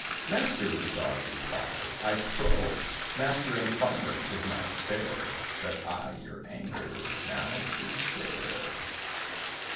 "Master," the Dog replied, "I trow, Master and Farmer, 'tis not fair That I your anger now should share.